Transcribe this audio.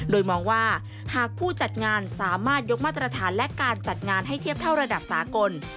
โดยมองว่าหากผู้จัดงานสามารถยกมาตรฐานและการจัดงานให้เทียบเท่าระดับสากล